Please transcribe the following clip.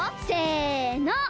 せの。